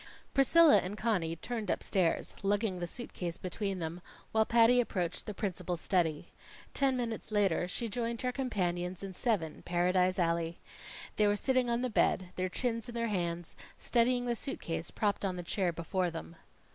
Priscilla and Conny turned upstairs lugging the suit case between them, while Patty approached the principal's study. Ten minutes later she joined her companions in Seven, Paradise Alley. They were sitting on the bed, their chins in their hands, studying the suit case propped on a chair before them.